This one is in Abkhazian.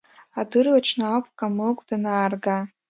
Адырҩаҽны ауп Камыгә данаарга.